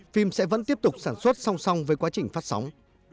phim sẽ vẫn tiếp tục sản xuất song song với quá trình phát sóng